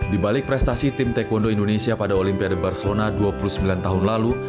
di balik prestasi tim taekwondo indonesia pada olimpiade barcelona dua puluh sembilan tahun lalu